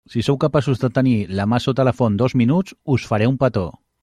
Si sou capaços de tenir la mà sota la font dos minuts, us faré un petó.